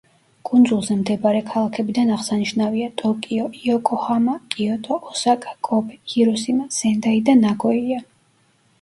კუნძულზე მდებარე ქალაქებიდან აღსანიშნავია: ტოკიო, იოკოჰამა, კიოტო, ოსაკა, კობე, ჰიროსიმა, სენდაი და ნაგოია.